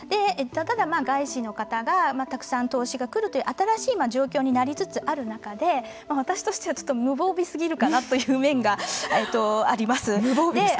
例えば外資の方がたくさん投資が来るという新しい状況になりつつある中で私としては無防備すぎるかなという面があります。